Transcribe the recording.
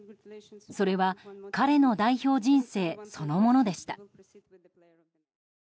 それは彼の代表人生そのものでした。